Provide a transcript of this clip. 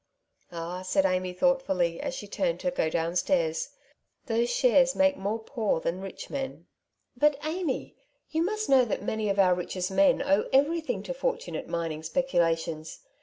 " Ah," said Amy thoughtfully, as she turned to go down stairs, " those shares make more poor than rich men." " But, Amy, you must know that many of our richest men owe everything to fortunate mining speculations.